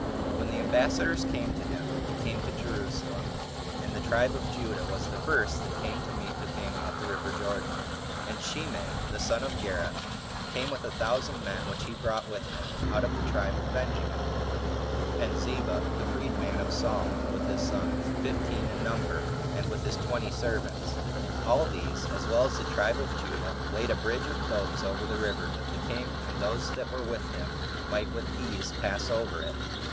2. When the ambassadors came to him, he came to Jerusalem; and the tribe of Judah was the first that came to meet the king at the river Jordan. And Shimei, the son of Gera, came with a thousand men, which he brought with him out of the tribe of Benjamin; and Ziba, the freed man of Saul, with his sons, fifteen in number, and with his twenty servants. All these, as well as the tribe of Judah, laid a bridge [of boats] over the river, that the king, and those that were with him, might with ease pass over it.